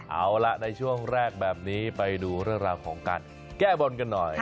เอาล่ะในช่วงแรกแบบนี้ไปดูเรื่องราวของการแก้บนกันหน่อย